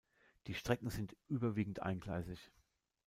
Die Strecken sind überwiegend eingleisig.